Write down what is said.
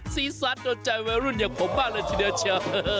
ซีซัดโดนใจวัยรุ่นอย่างผมบ้างเลยทีเด็ดเช่า